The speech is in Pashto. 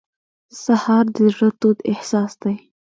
سهار د زړه تود احساس دی.